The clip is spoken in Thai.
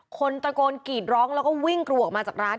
คนตะโกนกรีดร้องแล้วก็วิ่งกรูออกมาจากร้าน